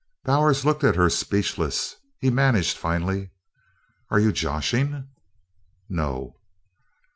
Bowers looked at her, speechless. He managed finally: "Are you joshin'?" "No."